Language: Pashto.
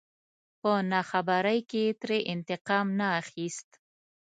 په ناخبرۍ کې يې ترې انتقام نه اخست.